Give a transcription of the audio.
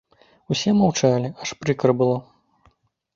Усе маўчалі, аж прыкра было.